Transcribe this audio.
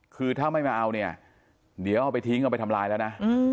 คือถ้าไม่มาเอาเนี่ยเดี๋ยวเอาไปทิ้งเอาไปทำลายแล้วนะ